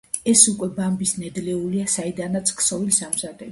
ეს უკვე ბამბის ნედლეულია, საიდანაც ქსოვილს ამზადებენ.